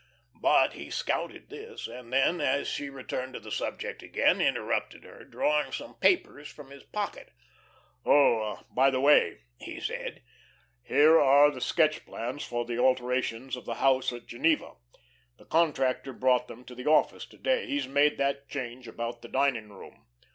But he scouted this, and then, as she returned to the subject again, interrupted her, drawing some papers from his pocket. "Oh, by the way," he said, "here are the sketch plans for the alterations of the house at Geneva. The contractor brought them to the office to day. He's made that change about the dining room."